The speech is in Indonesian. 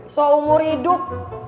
soal umur hidup